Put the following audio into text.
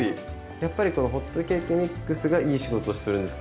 やっぱりこのホットケーキミックスがいい仕事をするんですか？